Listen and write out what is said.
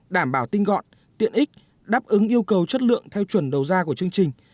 đảm bảo tinh gọn tiện ích đáp ứng yêu cầu chất lượng theo chuẩn đầu ra của chương trình